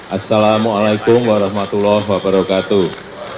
assalamu'alaikum warahmatullahi wabarakatuh